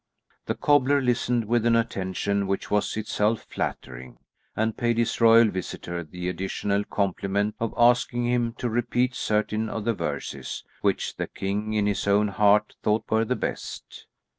The cobbler listened with an attention which was in itself flattering, and paid his royal visitor the additional compliment of asking him to repeat certain of the verses, which the king in his own heart thought were the best.